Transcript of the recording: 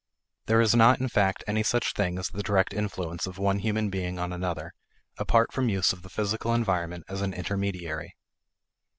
There is not, in fact, any such thing as the direct influence of one human being on another apart from use of the physical environment as an intermediary.